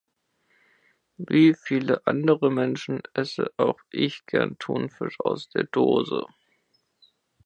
Wie viele andere Menschen esse auch ich gern Thunfisch aus der Dose.